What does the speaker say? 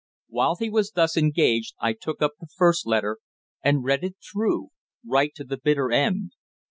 While he was thus engaged I took up the first letter, and read it through right to the bitter end.